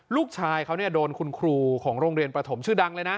ลูกชายเขาโดนคุณครูของโรงเรียนประถมชื่อดังเลยนะ